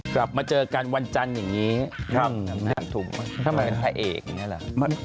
กลับมาเจอกันวันจันทร์อย่างงี้ถ้ามันถูกถ้ามันเป็นไทยเอกอย่างงี้แหละ